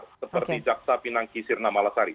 seperti jaksa pinangki sirna malasari